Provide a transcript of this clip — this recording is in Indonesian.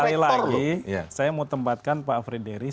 sekali lagi saya mau tempatkan pak frederick